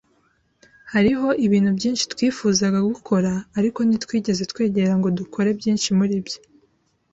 Hariho ibintu byinshi twifuzaga gukora, ariko ntitwigeze twegera ngo dukore byinshi muribyo.